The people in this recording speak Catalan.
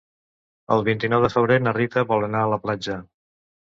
El vint-i-nou de febrer na Rita vol anar a la platja.